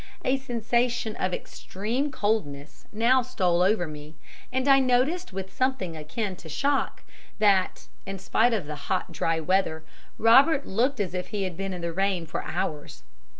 A sensation of extreme coldness now stole over me, and I noticed with something akin to a shock that, in spite of the hot, dry weather, Robert looked as if he had been in the rain for hours.